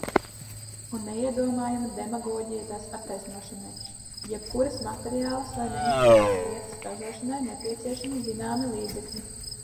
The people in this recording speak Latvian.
Un neiedomājama demagoģija tās attaisnošanai. Jebkuras materiālas vai nemateriālas lietas ražošanai nepieciešami zināmi līdzekļi.